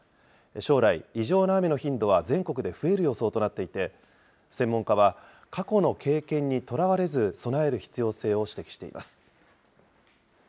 将来、異常な雨の頻度は全国で増える予想となっていて、専門家は、過去の経験にとらわれず、備える必要性を指摘しています。